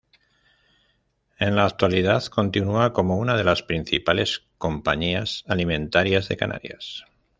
En la actualidad continúa como una de las principales compañías alimentarias de Canarias.